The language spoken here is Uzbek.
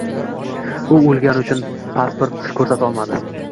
U oʻlgani uchun pasport koʻrsatolmadi.